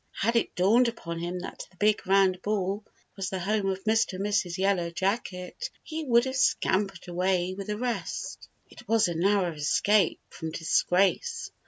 Had it dawned upon him that the big round ball was the home of Mr. and Mrs. Yellow Jacket, he would have scampered away with the rest. It was a narrow escape from disgrace.